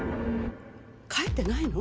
帰ってないの？